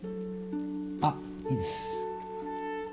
あいいです。